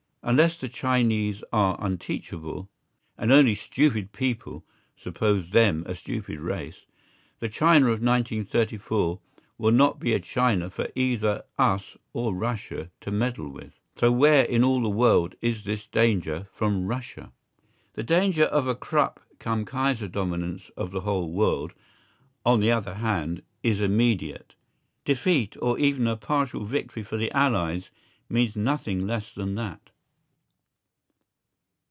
Unless the Chinese are unteachable—and only stupid people suppose them a stupid race—the China of 1934 will not be a China for either us or Russia to meddle with. So where in all the world is this danger from Russia? The danger of a Krupp cum Kaiser dominance of the whole world, on the other hand, is immediate. Defeat, or even a partial victory for the Allies, means nothing less than that.